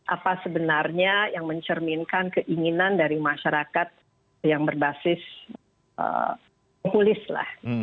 apa sebenarnya yang mencerminkan keinginan dari masyarakat yang berbasis populis lah